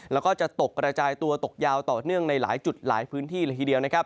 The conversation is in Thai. แล้วก็จะตกกระจายตัวตกยาวต่อเนื่องในหลายจุดหลายพื้นที่เลยทีเดียวนะครับ